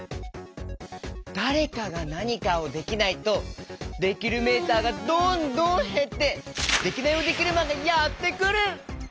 だれかがなにかをできないとできるメーターがどんどんへってデキナイヲデキルマンがやってくる！